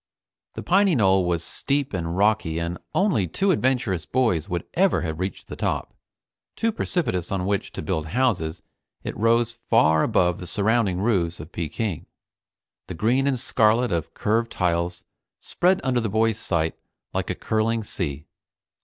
The piny knoll was steep and rocky and only two adventurous boys would ever have reached the top. Too precipitous on which to build houses, it rose far above the surrounding roofs of Peking. The green and scarlet of curved tiles spread under the boys' sight like a curling sea.